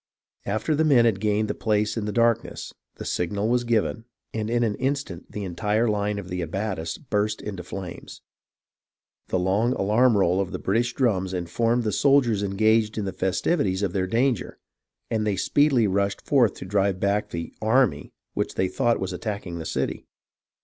After the men had gained the place in the darkness, the signal was given, and in an instant the entire line of the abatis burst into flames. The long alarm roll of the British drums informed the soldiers engaged in the festivities of their danger, and they speedily rushed forth to drive back the "army" which they thought was attacking the city.